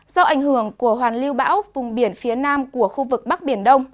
do ảnh hưởng của hoàn lưu bão vùng biển phía nam của khu vực bắc biển đông